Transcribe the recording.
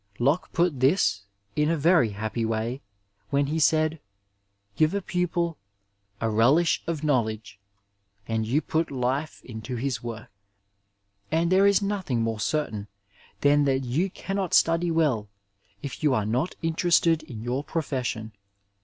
Locke put this in a very happy way when he said, give a pupfl *^ a relish of know ledge '^ and you put life into his work. And there is no thing more certain tiian that you cannot study well if you aie not interested in your profession.